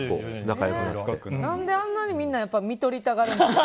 何であんなにみんな看取りたがるんですか。